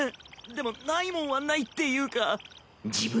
でもないもんはないっていうか。